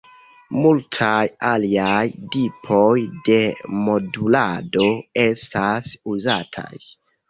Multaj aliaj tipoj de modulado estas uzataj.